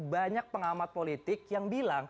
banyak pengamat politik yang bilang